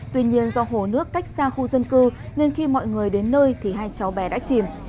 tuy nhiên do hồ nước cách xa khu dân cư nên khi mọi người đến nơi thì hai cháu bé đã chìm